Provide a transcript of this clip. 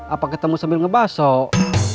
apa ketemu sambil ngebasok